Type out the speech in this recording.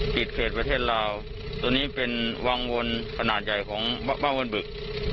เขตประเทศลาวตัวนี้เป็นวังวนขนาดใหญ่ของบ้านวนบึก